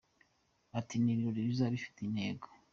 Ati Ni ibirori bizaba bifite intego.